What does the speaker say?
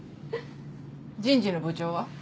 人事の部長は？